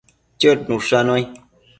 Chëd nushannuai